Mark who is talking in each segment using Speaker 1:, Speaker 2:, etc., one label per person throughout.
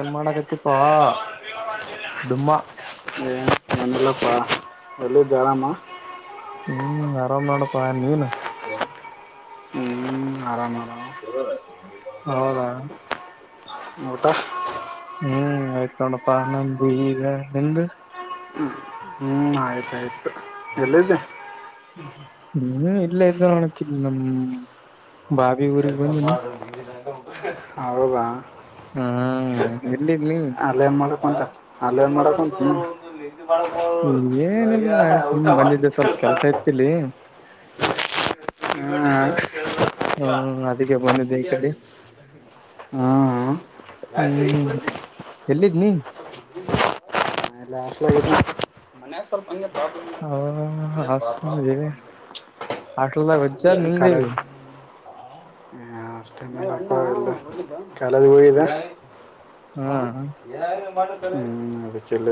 Speaker 1: ಏನ್
Speaker 2: ನ
Speaker 1: ಮಾಡಕತ್ತಿಪಾ ಡುಮ್ಮ
Speaker 2: ಹಾ
Speaker 1: ಹ್ಮ್ ಆರಾಮ್ ನಪ್ಪಾ ನೀವನ್
Speaker 2: ಹ್ಞೂ ಆರಾಮ ಆರಾಮ
Speaker 1: ಹೌದ
Speaker 2: ಮಟ
Speaker 1: ಹ್ಮ್ ಆಯ್ತ ನೋಡಪ್ಪಾ ನಂದು ಈಗ ನಿದ
Speaker 2: ಹ್ಮ್ ಹ್ಮ್ ಆಯ್ತಾಯ್ತು ಎಲ್ಲಿದ್ದೆ
Speaker 1: ಹ್ಮ್ ಇಲ್ಲ ಇದ ನೋಣಕ್ಲ್ ನಮ್ಮ್
Speaker 2: ಹೋಗ
Speaker 1: ಹ್ಮ್ ಎಲ್ಲಿದ್ ನೀ
Speaker 2: ಅಲ್ಲಿ ಮಡಪಟ ಅಲ್ಲಿಮ ಮಾಡಡಕ
Speaker 1: ಏನಿಲ್ಲ ಸುಮ್ ಬಂದಿದ್ದೆ ಸ್ವಲ್ಪ ಕೆಲ್ಸ ಇತಿಲ್ಲಿ
Speaker 2: ಹ್ಮ
Speaker 1: ಹಾ ಅದಕ್ಕೆ ಬಂದಿದ್ದ ಈ ಕಡೆ
Speaker 2: ಹ್ಮ್ ಹ
Speaker 1: ಹ್ಮ್ ಎಲ್ಲಿದ್ ನೀ
Speaker 2: ಮ ಸ್ವಲ್ಪ ಅ ಬ
Speaker 1: ಹ
Speaker 2: ಎ
Speaker 1: ಹಾಸ್ಟೆಲ್
Speaker 2: ಬಾಪರ
Speaker 1: ಹಾಸ್ಟೆಲ್ದಾಗ ವಜ್ಜಾದ್ ನಿಂದ
Speaker 2: ಕಾಲ
Speaker 1: ಈಗ
Speaker 2: ಹಷ್ಟತ ಲ್ಲ ಕಾಲದ ಹೋಗಿದೆ
Speaker 1: ಹಾ
Speaker 2: ಹ್ಮ್ ಅದ ಚಲ್ಲ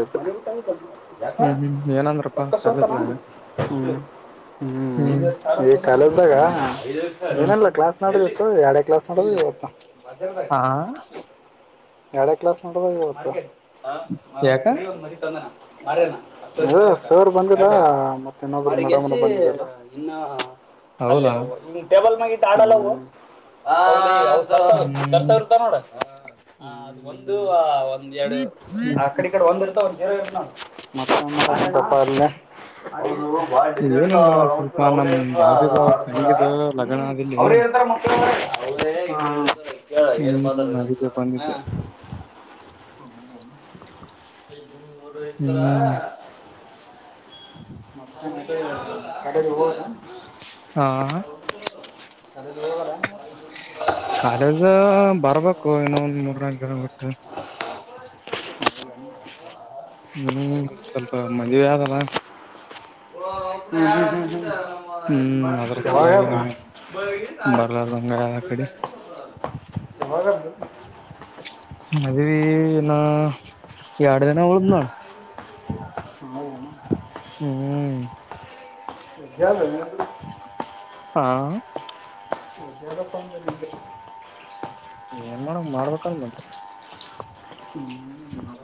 Speaker 2: ಯ
Speaker 1: ಹ್ಮ್ ಹ್ಮ್ ಏನಂದ್ರಪ್ಪಾ
Speaker 2: ಪತ
Speaker 1: ಕಾಲೇಜ್ದಾಗ
Speaker 2: ಹ್ಮ
Speaker 1: ಹ್ಮ್
Speaker 2: ಈ ಕಾಲ ಇದ್ದಾಗ
Speaker 1: ಹ್ಮ್
Speaker 2: ಏನಲ್ಲ ಕ್ಲಾಸ್ ನೋಡದಿತ್ತು ಎರಡೇ ಕ್ಲಾಸ್ ನೋಡುದು ಇವತ್ತು
Speaker 1: ಹಾ
Speaker 2: ಎರಡೇ ಕ್ಲಾಸ್ ನಡ್ದದ ಇವತ್ತು.
Speaker 1: ಯಾಕ
Speaker 2: ಇದು ಸರ್ ಬಂದಿಲ್ಲ ಮತ್ತ ಇನ್ನೊಬ್ರ ಮೇಡಂ ಅವರು ಬಂದಿಲ್ಲ.
Speaker 1: ಹೌದಾ
Speaker 2: [unintelligible]
Speaker 1: ಹ್ಮ್
Speaker 2: [unintelligible] ಒಂದ್ ಎರಡು ಆ ಕಡೆ ಈ ಕಡೆ ಒಂದ್ ಇರ್ತಾವಲ್
Speaker 1: ಏನಿಲ್ಲ ಸ್ವಲ್ಪ ನಮ್
Speaker 2: [unintelligible] ಎಲ್ಲ [unintelligible] [unintelligible] ಕೇಳ
Speaker 1: ಭಾವಿದ ಅವ್ರ ತಂಗಿದ ಲಗ್ನ ಅದಿಲ್ಲಿ
Speaker 2: ಏನ್
Speaker 1: ಹ್ಮ್ ಅದಕ್ಕೆ
Speaker 2: ಮಾತಾಡಬೇಕಂತುದಾರ ಹಾ
Speaker 1: ಬಂದಿದ್ದೆ ಹ್ಮ್
Speaker 2: [unintelligible] [unintelligible]
Speaker 1: ಹಾ
Speaker 2: [unintelligible]
Speaker 1: ಕಾಲೇಜ ಬರ್ಬೇಕು ಇನ್ನೊ ಒಂದ್ ಮೂರ್ನಾಕು ದಿನ ಬಿಟ್ಟು. ಹ್ಮ್ ಸ್ವಲ್ಪ ಮದವಿಯಾದ್ದಲ್ಲ.
Speaker 2: ಹ್ಮ
Speaker 1: ಸಲಾಗಿ
Speaker 2: ಹೂ
Speaker 1: ಬರ್ಲಾರ್ದಂಗ
Speaker 2: ಯಾವಾಗ್ಯಾದ್ದ
Speaker 1: ಆ ಕಡೆ
Speaker 2: [unintelligible] [unintelligible]
Speaker 1: ಮದುವಿ ಇನ್ನೂ ಎರಡ ದಿನಾ ಉಳದ್ ನೋಡು ಹ್ಮ್
Speaker 2: [unintelligible]
Speaker 1: ಹಾ
Speaker 2: [unintelligible]
Speaker 1: ಏನ್ ಮಾಡಕ್ ಮಾಡ್ಬೇಕಲ್ ಮತ್
Speaker 2: [inaudible]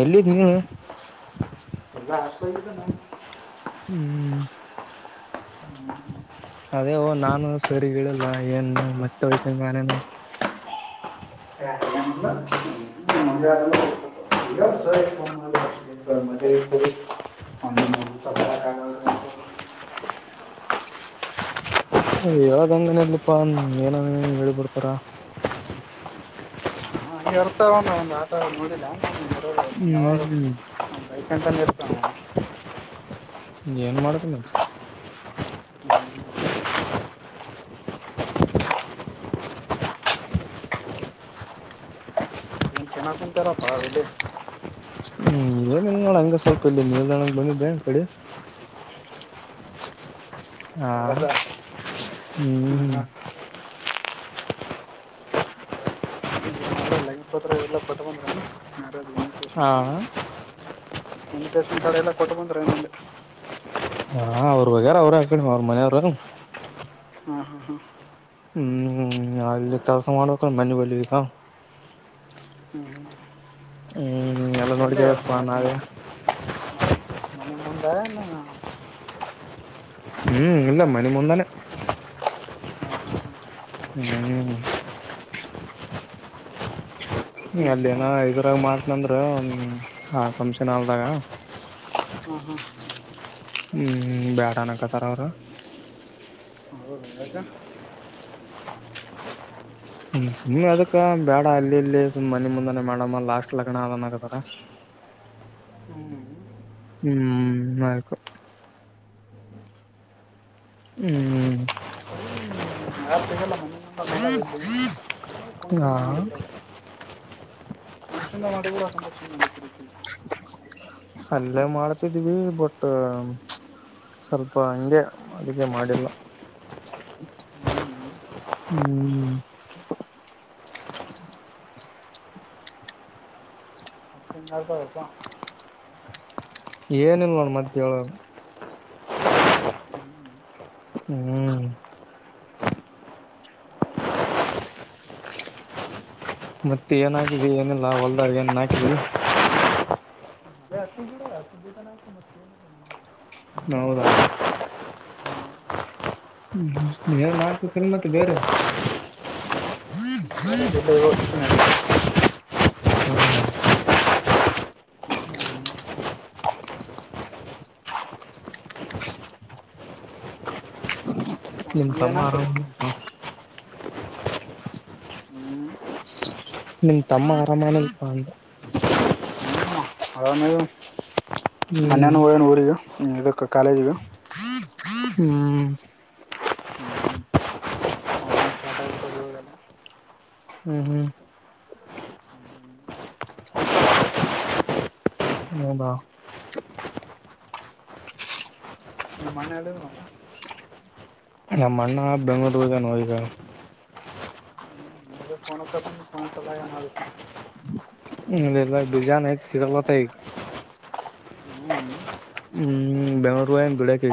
Speaker 1: ಎಲ್ಲಿದ್ದ್ ನಿನ್ನೆ
Speaker 2: [unintelligible]
Speaker 1: ಹ್ಮ್ ಅದೇ ಓ ನಾನು ಸರಿಗೇಳಿಲ್ಲ ಏನ್ ಮತ್ತೆ ವಯಷಂಗಾನೇನು.
Speaker 2: [unintelligible] [unintelligible] [unintelligible]
Speaker 1: [inaudible] ಹೇಳದಂಗನ ಇರ್ಲಿಪಾ ಏನ ಏನನ ಹೇಳಿ ಬಿಡ್ತಾರ
Speaker 2: [unintelligible] [unintelligible]
Speaker 1: ಏನ್ ಮಾಡದ
Speaker 2: [unintelligible] [unintelligible]
Speaker 1: ಹ್ಮ್ ಏನಿಲ್ ನೋಡ ಹಂಗ ಸ್ವಲ್ಪ ಇಲ್ಲಿ ನಿಲ್ದಾಣಕ್ಕೆ ಬಂದಿದ್ದೆ ಕಡೆ. ಹಾ
Speaker 2: ಅವೆಲ್ಲ
Speaker 1: ಹ್ಮ್
Speaker 2: ಹಾಂ
Speaker 1: ಹ್ಮ್
Speaker 2: ಹಾಂ ಲೈನ್ [unintelligible] ಏನು
Speaker 1: ಹಾ
Speaker 2: ಪೇಷಂಟ್ ಇನ್ವಿಟೇಷನ್ ಕಾರ್ಡ್ ಎಲ್ಲ ಕೊಟ್ಟು ಬಂದ್ರೆನಂದೆ.
Speaker 1: ಹಾ ಅವ್ರ ಹೋಗ್ಯಾರ ಅವರು ಹಾಕಂಡ್ ಅವ್ರ ಮನೆಯವ್ರು
Speaker 2: ಹಾ ಹಾ ಹಾ
Speaker 1: ಹ್ಮ್ ಅಲ್ಲಿ ಕೆಲಸ ಮಾಡ್ಬೇಕಂದ್ ಮನ್ ಒಗ್ಲೆಬೇಕಾ
Speaker 2: ಹ್ಞೂ ಹ್ಞೂ
Speaker 1: ಹ್ಮ್ ಎಲ್ಲ
Speaker 2: ಎಲ್ಲೇ
Speaker 1: ನೋಡ್ಕೇಬೇಕಪ್ಪಾ
Speaker 2: ಮತ್ತೆ
Speaker 1: ನಾವೇ.
Speaker 2: ಮನೆ ಮುಂದೆ ಏನು ಹಾಂ
Speaker 1: ಹ್ಮ್ ಇಲ್ಲ ಮನಿ ಮುಂದಾನೆ. ಹ್ಮ್ ಅಲ್ಲಿ ಏನ ಇದರಾಗ ಮಾಡ್ತನಂದ್ರ ಪಂಪ್ಷನ್ ಹಾಲ್ದಾಗ.
Speaker 2: ಹ್ಮ ಹ್ಮ್
Speaker 1: ಹ್ಮ್ ಬ್ಯಾಡ ಅನಕತರ ಅವರು
Speaker 2: ಹೌದಾ
Speaker 1: ಹ್ಮ ಸುಮ್ಮ್ನೆ ಅದಕ್ಕ ಬೇಡ ಅಲ್ಲಿ ಇಲ್ಲಿ ಸುಮ್ಮ್ ಮನೆಿ ಮುಂದಾನನೆ ಮಾಡಮ್ಮ ಲಾಸ್ಟ್ ಲಗ್ನ ಆದನ್ ಆಗದಾರ
Speaker 2: ಹ್ಞೂ
Speaker 1: ಹ್ಮ ಮಾಡಕು ಹ್ಮ್
Speaker 2: ರಿ [unintelligible]
Speaker 1: ಹಾ
Speaker 2: ಚನ್ನ ಮಾಡಿ ಕೂಡಕ [unintelligible]
Speaker 1: ಅಲ್ಲೇ ಮಾಡತಿದೀವಿ ಬೊಟ್ಟ ಸ್ವಲ್ಪ ಹಂಗೆ ಅದಕ್ಕೆ ಮಾಡಿಲ್ಲ
Speaker 2: ಹ್ಞೂ
Speaker 1: ಹ್ಮ್
Speaker 2: ಅಷ್ಟೊಂದು ಅರ್ಥ
Speaker 1: ಏನಲ್ ನೋಡ್ ಮತ್ತೆ ಹೇಳೋ ಹ್ಮ್ ಮತ್ತೆ ಏನ್ ಹಾಕಿದ ಏನಿಲ್ಲ ಹೊಲ್ದಾರ್ ಏನ್ ಹಾಕಿದಿಲ್ಲ
Speaker 2: ಅದೇ ಅಷ್ಟು ಗಿಡ
Speaker 1: ಹ್ಮ
Speaker 2: ಅಷ್ಟು ಗಿಡನೇ ಹಾಕು ಮತ್ತೇನು
Speaker 1: ಹೌದಾ ಹ್ಮ್್ಮ ನಾಲ್ಕು ಮತ್ತೆ ಬೇರೆ ಹ್ಮೀ [unintelligible]
Speaker 2: [unintelligible]
Speaker 1: ಹಾ ಹಾ [unintelligible] ನಿಮ್ ತಮ್ಮ
Speaker 2: ಏನಾಗ್ತದೆ
Speaker 1: ಆರಾಮ ನಿಮ್ ತಮ್ಮ ಅರಾಮಾನ ಅಂದ
Speaker 2: ಅವೇಲೆ
Speaker 1: ಹ್ಮ್
Speaker 2: ಮನ್ಯಹನ ಒನ ಊರಿಗೆ ಇದಕ್ಕೆ ಕಾಲೇಜಿಗೆ
Speaker 1: ಹ್ಮ್ [inaudible] ಹ್ಮ್ ಹ್ಮ್ ಹ್ಮದಾ
Speaker 2: ಮನೆ ಅೆಯಲ್ಲಿ ನ
Speaker 1: ನಮ್ಮ ಅಣ್ಣ ಬೆಂಗಳೂರು ನೋ ಈಗ
Speaker 2: ನಿಮಗೆ ಫೋನ್ ಹಚ್ಚಕೊಂಡು ಫೋನ್ ಹಚ್ಚಲ್ಲ ಏನಾದ್ರು
Speaker 1: ಹ್ಮಲ್ಲ ಬಿರಿಯಾನ ಐ ಸಿಗಲತ್ತ ಈಗ
Speaker 2: ಸಿಗಲ್ಲಪ್ಪ
Speaker 1: ಹ್ಮ್ ಬೆಂಗ್ಳೂರು ್ ಡಕ್ಕೆ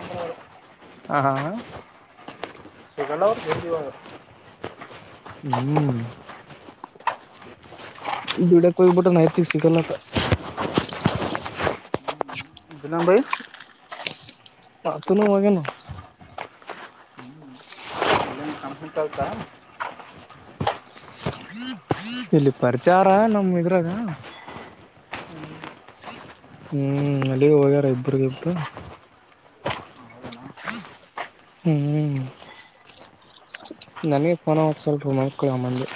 Speaker 2: ನಂಬರ್
Speaker 1: ಹಾ ಹಾ
Speaker 2: ಸಿಗಲ್ಲ ಅವ್ರು ಜಲ್ದಿ ಇವಾಗ
Speaker 1: ಹ್ಮ್ ಬಿಡ ಕೊ ಬಟ ನೈತ ಸಿಗಲ್ಲ
Speaker 2: ದಿನಂ ಬೈ
Speaker 1: ಆತ್ತುುನುವಗೆನು [unintelligible]
Speaker 2: ಇಲ್ಲೇನು ಕಂಪ್ನಿ ಕಲ್ತ
Speaker 1: ಇಲ್ಲಿ ಪರಿಚಾರ ನಮ ಇದ್ರಾಗ ಹ್ಮ್ ಅಲ್ಲಿ ಹೋಗ್ಯಾರ ಇಬ್ರಗ ಇಬ್ಬರು ಹ್ಮ್ [inaudible] ನನ್ಗೆ ಫೋನವತ್ತು ಸ್ವಲ್ಪ ಮಾಡಕಳಮ್ಮಂದಿ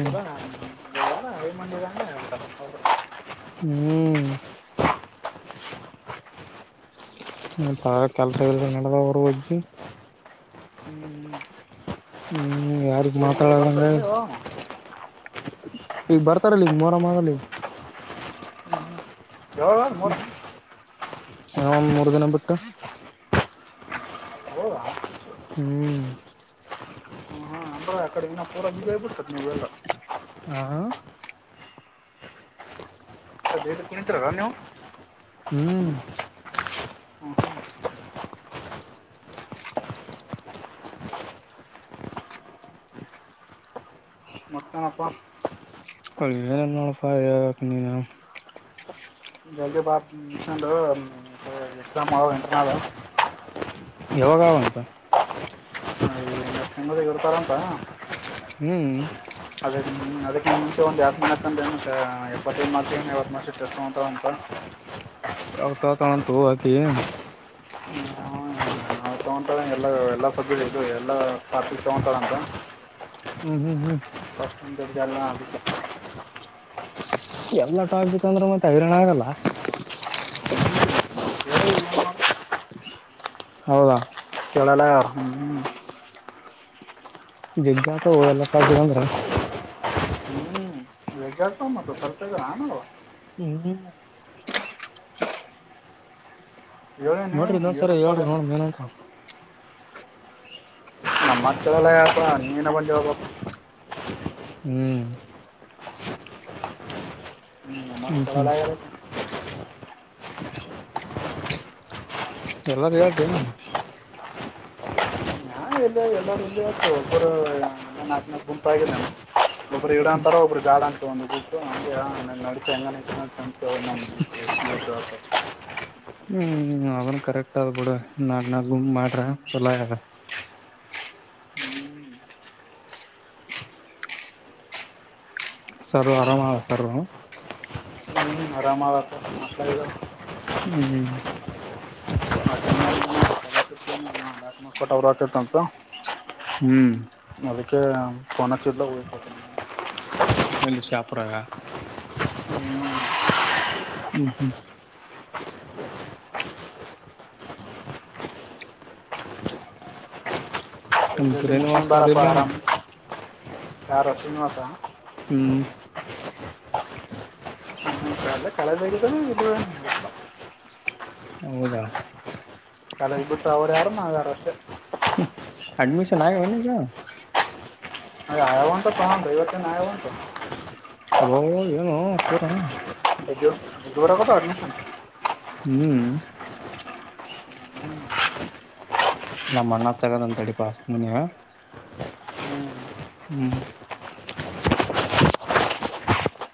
Speaker 2: ಹಞ ಹಲೋಣ [unintelligible]
Speaker 1: ಹ್ಮ್ [inaudible] ಹ ತ ಕೆಲಸ ನಡೆದ ಬ ಹ್ಜು [unintelligible] ಹ್ಮ್ ಯಾರಿಗೆ
Speaker 2: ಊರಿಗೆ
Speaker 1: ಮಾತಾಡ್ದಂಗ
Speaker 2: ಬರ್ತಾರಲ್ಲ
Speaker 1: ಈಗ ಬರ್ತಾರಲ್ಲ ಈಗ ಮೊರಮದಲ್ಲಿ
Speaker 2: ಯವ ಮೂರ [unintelligible]
Speaker 1: ಹ ಮೂರು ದಿನ ಬಿಟ್ಟು
Speaker 2: ಹೌದಾ
Speaker 1: ಹ್ಮ್
Speaker 2: ಪೋರ ಬಿಬತಲ್ಲ [unintelligible]
Speaker 1: ಹಾ
Speaker 2: ಕುಣಿತರಲ್ [unintelligible] ನೀವು
Speaker 1: ಹ್ಮ್
Speaker 2: ಹ್ಞೂ ಹ್ಞೂ ಹಾ ಪಾ.
Speaker 1: ಏನ್ ನೋಡಪಾ ಹೇಳ್ಬೇಕ್ ನೀನೇ.
Speaker 2: ಜೈಜೆ ಬಾ ರೀಸೆಂಟ ಎಕ್ಸಾಮ್ ಆವಾ ಇಂಟೆರೆನಲ್.
Speaker 1: ಯಾವಾಗಾವಂತ.
Speaker 2: ನಿಮ್ಮದ ಇರ್ತಾರಂತ
Speaker 1: ಹ್ಮ್
Speaker 2: ಅದ ಅದಕ್ಕೆ ಮುಂಚೆ ಒಂದ ಯಸ್ಮಾನ ಅಕ ಎಪ್ಪತ್ತನು ಮಾಡತ ಯಾವತ್ತು ಮಸಿಟೆಸ್ ಅಂತ.
Speaker 1: ಯಾವಾಗ ತಗೋತಾಳ ಅಂತ ಅಕಿ.
Speaker 2: [inaudible] ನಾ ತಗೊತಳ ಎಲ್ಲ ಎಲ್ಲಾ ಸಬ್ ಇದು ಎಲ್ಲಾ ಟಾಪಿಕ್ ತಗೊತಳಂತ.
Speaker 1: ಹ್ಮ್ ಹ್ಮ್ ಹ್ಮ್.
Speaker 2: [unintelligible]
Speaker 1: ಎಲ್ಲ ಟಾಪಿಕ್ ಅಂದ್ರೆ ಮತ್ತೆ ಹೈರರಣ ಆಗಲ್ಲ. ಹೌದಾ.
Speaker 2: ಹೇಳಲಾ ಹ್ಮ್.
Speaker 1: ಜಗ್ಗ ಆಗ್ತಾವೋ ಎಲ್ಲಾ [unintelligible] ಅಂದ್ರ.
Speaker 2: ಜಗ್ಗಿ ಆಕವಾ ಮತ್ತ್ ಸ್ವಲ್ಪ್ ಇದಾವ ಏನ್ ಅವ.
Speaker 1: ಹ್ಮ್ [inaudible]
Speaker 2: ಹೇಳೇನೆ
Speaker 1: ನೋಡ್ರಿ ಇನ್ನೊಂದ ಸರಿ
Speaker 2: ಏನಂತಾಳೆ
Speaker 1: ಹೇಳ್ರಿ ನೋಡ ಮೇನಂತ.
Speaker 2: ನಮ್ಮತ್ರಳಲ್ಲ ನೀನ್ನೇನ ಬಂದ ಹೇಳ್ಬೇಕ.
Speaker 1: ಹ್ಮ್. ಹ್ಮ್ ಹ್ಮ್
Speaker 2: [unintelligible]
Speaker 1: ಎಲ್ಲಾರು ಹೇಳ್ರಿ.
Speaker 2: ಹಾ ಎಲ್ಲ ಎಲ್ಲ ಒಬ್ಬರು ನಾಲ್ಕ ನು ಗುಂಪಗ ನ ಒಬ್ಬರು ಇಡಂತಾರ ಒಬ್ಬರು ಬ್ಯಾಡ ಅಂತ ಒಂದು ನಡಂಗ [unintelligible] [inaudible]
Speaker 1: ಹ್ಮ್ ಅವನ್ ಕರೆಕ್ಟ್ ಆದ್ ಬಿಡ ನಾಕ ನಾಕ್ ಗುಂಪ ಮಾಡ್ರ ಚಲೋ ಆಗೇದ. ಸರು ಆರಾಮ ಆಳ ಸರು.
Speaker 2: ಆರಾಮಳ ಪಾ [unintelligible]
Speaker 1: ಹ್ಮ್ ಹ್ಮ್.
Speaker 2: [unintelligible]
Speaker 1: ಹ್ಮ್.
Speaker 2: [unintelligible]
Speaker 1: ನಿಮ್ಮ್ ಶಾಪುರಾಗ.
Speaker 2: ಹ್ಞೂ
Speaker 1: ಹ್ಮ್ ಹ್ಮ್. ನಮ್
Speaker 2: ಜಲ್ದಿ ಮುಗಸ್ಕೊಂಡ
Speaker 1: ಶ್ರೀನಿವಾಸ್ ಸರ್
Speaker 2: ಬರಪ್ಪ
Speaker 1: ಇಲ್ಲೇನು
Speaker 2: ಆಾರಾಮ [unintelligible]
Speaker 1: ಹ್ಮ್.
Speaker 2: ಹ್ಮ ಅಲ್ಲ ಕಲೆದ ಇ
Speaker 1: ಹೌದಾ.
Speaker 2: [unintelligible]
Speaker 1: ಅಡ್ಮಿಶನ್ ಆಗ್ಯಾವ ಏನ್ ಈಗ.
Speaker 2: ಅ ಆಯಾವಂತ ಕನ್ ಐವತ್ತು ಆಯಾವಂತ.
Speaker 1: ಅಬೋ ಏನು ಪೂರ.
Speaker 2: [unintelligible] ಜೋರ್ ಅಗತವ ಅಡ್ಮಿಶನ್.
Speaker 1: ಹ್ಮ್. ನಮ್ಮ ಅಣ್ಣ ಹಚ್ಚತನ ತಡಿ ಪಾ ನಿಂಗ.
Speaker 2: ಹ್ಞೂ
Speaker 1: ಹ್ಮ್.